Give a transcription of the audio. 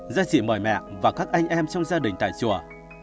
do chị mời mẹ và các anh em trong gia đình tại chùa